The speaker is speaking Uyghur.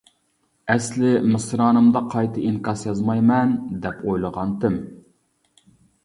ئەسلى مىسرانىمدا قايتا ئىنكاس يازمايمەن دەپ ئويلىغانتىم.